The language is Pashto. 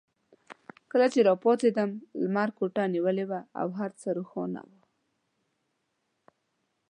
کله چې راپاڅېدم لمر کوټه نیولې وه او هر څه روښانه وو.